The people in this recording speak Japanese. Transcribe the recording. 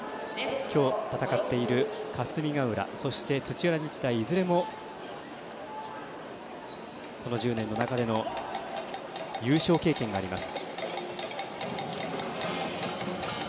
今日戦っている霞ヶ浦そして土浦日大、いずれもこの１０年の中での優勝経験があります。